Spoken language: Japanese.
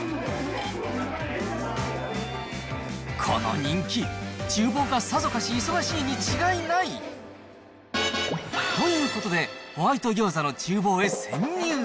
この人気、ちゅう房がさぞかし忙しいに違いない。ということで、ホワイト餃子のちゅう房へ潜入。